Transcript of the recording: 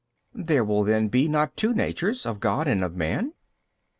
B. There will then be not two natures, of God and of man?